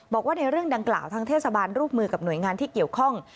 บอกว่าในเรื่องดังกล่าวทางเทศบาลร่วมมือกับหน่วยงานที่เกี่ยวข้อง